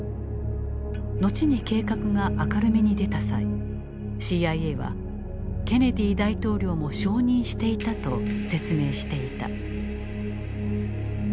後に計画が明るみに出た際ＣＩＡは「ケネディ大統領も承認していた」と説明していた。